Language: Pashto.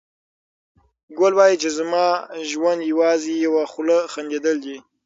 ګل وايي چې زما ژوند یوازې یوه خوله خندېدل دي.